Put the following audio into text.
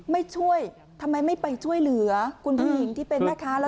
ไม่ช่วยทำไมไม่ไปช่วยเหลือคุณผู้หญิงที่เป็นแม่ค้า